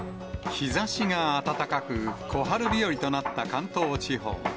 日ざしが暖かく、小春日和となった関東地方。